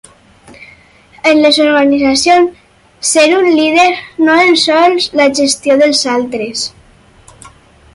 En les organitzacions, ser un líder no es sols la gestió dels altres.